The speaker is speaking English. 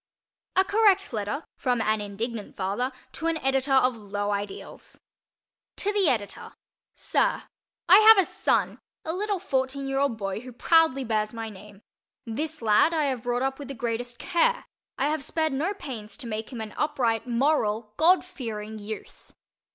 A Correct Letter from an Indignant Father to an Editor of Low Ideals To the Editor: Sir: I have a son—a little fourteen year old boy who proudly bears my name. This lad I have brought up with the greatest care. I have spared no pains to make him an upright, moral, God fearing youth.